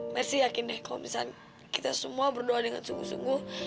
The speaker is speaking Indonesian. messi yakin deh kalau misalnya kita semua berdoa dengan sungguh sungguh